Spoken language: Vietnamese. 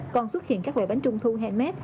còn xuất hiện các loại bánh trung thu hai mét